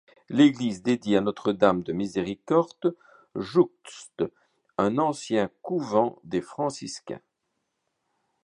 L'église dédiée à Notre-Dame-de-Miséricorde jouxte un ancien couvent des franciscains.